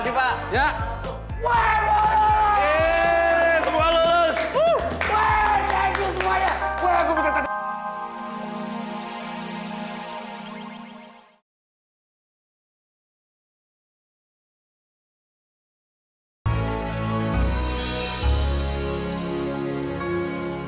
terima kasih semuanya